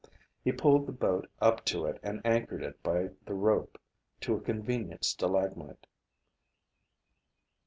He pulled the boat up to it and anchored it by the rope to a convenient stalagmite.